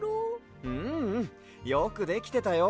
ううん。よくできてたよ。